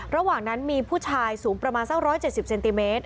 ระหว่างนั้นมีผู้ชายสูงประมาณสัก๑๗๐เซนติเมตร